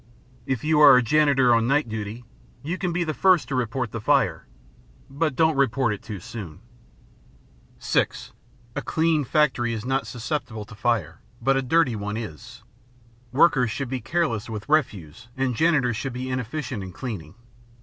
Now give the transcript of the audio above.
If you are a janitor on night duty, you can be the first to report the fire, but don't report it too soon. (6) A clean factory is not susceptible to fire, but a dirty one is. Workers should be careless with refuse and janitors should be inefficient in cleaning.